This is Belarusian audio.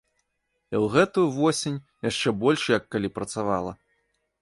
І ў гэтую восень яшчэ больш як калі працавала!